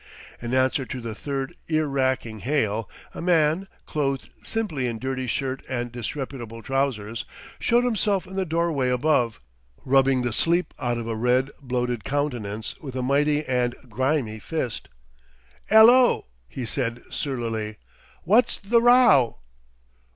In answer to the third ear racking hail, a man, clothed simply in dirty shirt and disreputable trousers, showed himself in the doorway above, rubbing the sleep out of a red, bloated countenance with a mighty and grimy fist. "'Ello," he said surlily. "Wot's th' row?"